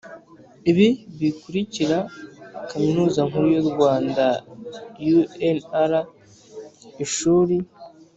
Ibi bikurikira kaminuza nkuru y u rwanda unr ishuri